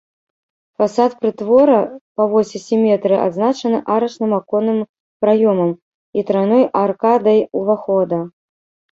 Фасад прытвора па восі сіметрыі адзначаны арачным аконным праёмам і трайной аркадай увахода.